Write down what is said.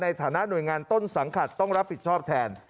ในฐานะหน่วยงานต้นสังกัดต้องรับผิดชอบแทน